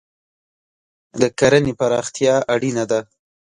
د کرهنې پراختیا اړینه ده.